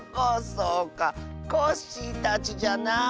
そうかコッシーたちじゃな。